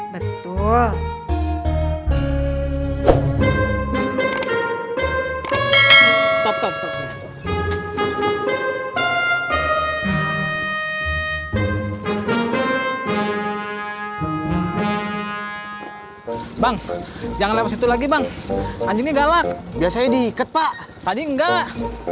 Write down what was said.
bang jangan lewat situ lagi bang anjingnya galak biasanya diikat pak tadi enggak